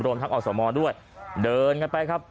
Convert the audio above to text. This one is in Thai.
โรนทักออกสมด้วยเดินกันไป